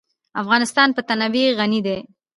افغانستان په تنوع غني دی.